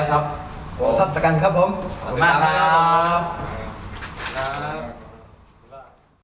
ว่าในมันเองนั่นคือความเสียใจและรอยหน้าตา